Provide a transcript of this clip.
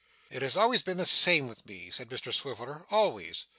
'It has always been the same with me,' said Mr Swiveller, 'always.